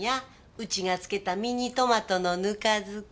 うちが漬けたミニトマトのぬか漬け。